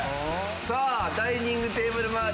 さあダイニングテーブル周り